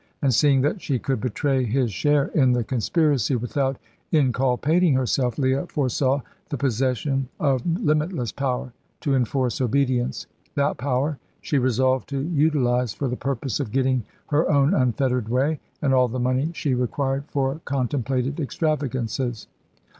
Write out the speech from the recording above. And, seeing that she could betray his share in the conspiracy without inculpating herself, Leah foresaw the possession of limitless power to enforce obedience. That power she resolved to utilise for the purpose of getting her own unfettered way, and all the money she required for contemplated extravagances.